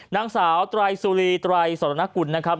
นางสาวไตรสุรีไตรสรณกุลนะครับ